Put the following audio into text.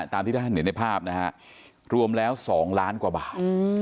ตามที่ท่านเห็นในภาพนะฮะรวมแล้ว๒ล้านกว่าบาท